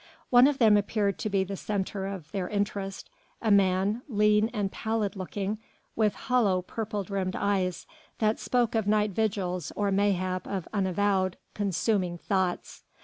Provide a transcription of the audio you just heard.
One of them appeared to be the centre of their interest, a man, lean and pallid looking, with hollow purple rimmed eyes, that spoke of night vigils or mayhap of unavowed, consuming thoughts.